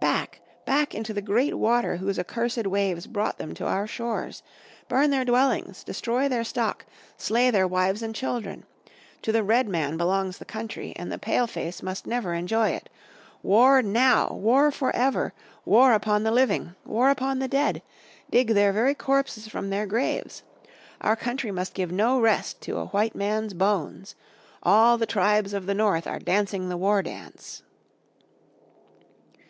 Back! back into the great water whose accursed waves brought them to our shores! Burn their dwellings! Destroy their stock! Slay their wives and children! To the Redman belongs the country and the Pale face must never enjoy it. War now! War for ever! War upon the living. War upon the dead. Dig their very corpses from their graves. Our country must give no rest to a white man's bones. All the tribes of the North are dancing in the war dance."